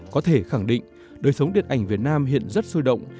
có thể khẳng định đời sống điện ảnh việt nam hiện rất sôi động